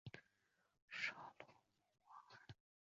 绍洛姆瓦尔。